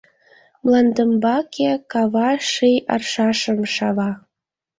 Мландымбаке кава Ший аршашым шава.